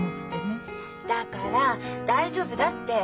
だから大丈夫だって。